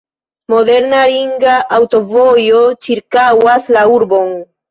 Moderna ringa aŭtovojo ĉirkaŭas la urbon.